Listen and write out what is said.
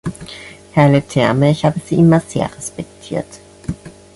Herr Leterme, ich habe Sie immer sehr respektiert.